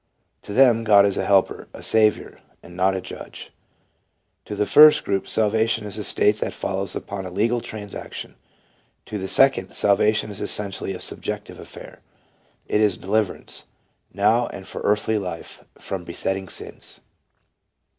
To them God is a Helper, a Saviour, and not a Judge. To the first group salvation is a state that follows upon a legal transaction ; to the second salvation is essentially a subjective affair : it is deliverance, now and for earthly life, from besetting sins.